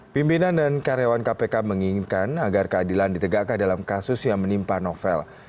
pimpinan dan karyawan kpk menginginkan agar keadilan ditegakkan dalam kasus yang menimpa novel